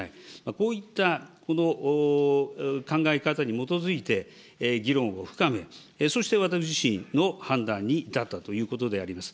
こういった考え方に基づいて議論を深め、そして私自身の判断に至ったということであります。